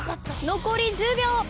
残り１０秒。